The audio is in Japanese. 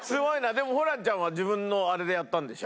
でもホランちゃんは自分のあれでやったんでしょ？